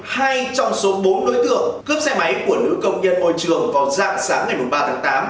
hai trong số bốn đối tượng cướp xe máy của nữ công nhân môi trường vào dạng sáng ngày ba tháng tám